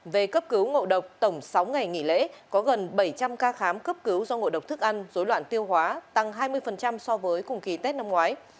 về cấp cứu ngộ độc tổng sáu ngày nghỉ lễ có gần bảy trăm linh ca khám cấp cứu do ngộ độc thức ăn dối loạn tiêu hóa tăng hai mươi so với cùng kỳ tết năm ngoái